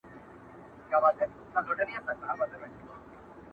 له محشره نه دی کم هغه ساعت چي,